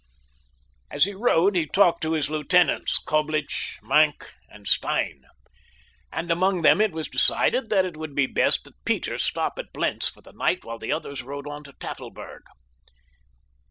As he rode he talked with his lieutenants Coblich, Maenck, and Stein, and among them it was decided that it would be best that Peter stop at Blentz for the night while the others rode on to Tafelberg.